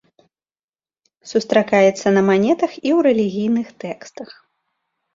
Сустракаецца на манетах і ў рэлігійных тэкстах.